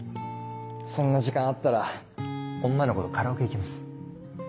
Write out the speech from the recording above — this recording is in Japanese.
そんな時間あったら女の子とカラオケ行きます。